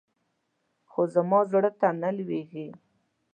خو زما زړه ته نه لوېږي.